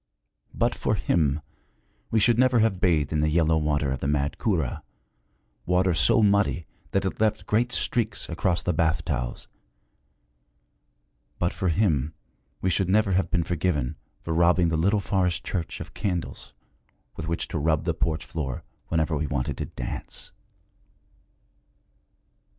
But for him we should never have bathed in the yellow water of the mad Kura, water so muddy that it left great streaks across the bath towels; but for him we should never have been forgiven for robbing the little forest church of candles with which to rub the porch floor whenever we wanted to dance.